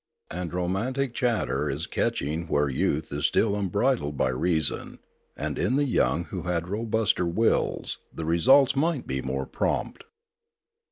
And romantic chatter is catching where youth is still unbridled by reason, and in the young who had robuster wills, the results might be more prompt.